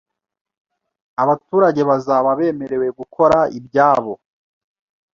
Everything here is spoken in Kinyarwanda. abaturage bazaba bemerewe gukora ibyabo